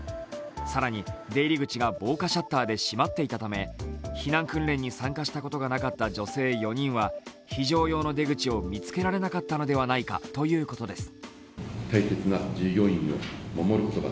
更に出入り口が防火シャッターで閉まっていたため避難訓練に参加したことがなかった女性４人は非常用の出口を見つけられなかったのではないかということです。